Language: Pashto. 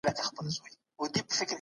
قاتل د خپل عمل سزا وڅکله.